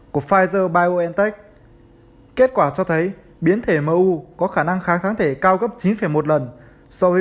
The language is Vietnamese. của pfizer biontech kết quả cho thấy biến thể mu có khả năng kháng kháng thể cao gấp chín một lần so với